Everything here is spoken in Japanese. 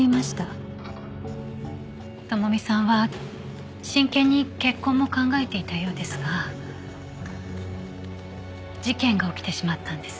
朋美さんは真剣に結婚も考えていたようですが事件が起きてしまったんです。